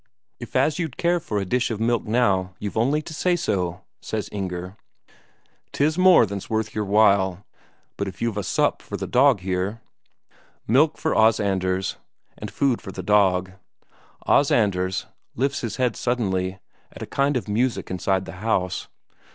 "If as you'd care for a dish of milk now, you've only to say so," says Inger. "'Tis more than's worth your while. But if you've a sup for the dog here...." Milk for Os Anders, and food for the dog. Os Anders lifts his head suddenly, at a kind of music inside the house.